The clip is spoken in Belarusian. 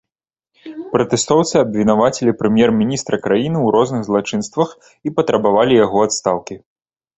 Пратэстоўцы абвінавацілі прэм'ер-міністра краіны ў розных злачынствах і запатрабавалі яго адстаўкі.